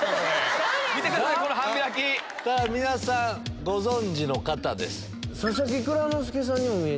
皆さんご存じの方です。